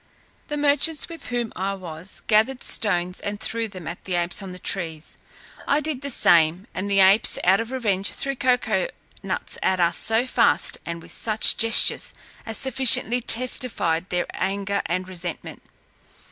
The merchants with whom I was, gathered stones and threw them at the apes on the trees. I did the same, and the apes out of revenge threw cocoa nuts at us so fast, and with such gestures, as sufficiently testified their anger and resentment.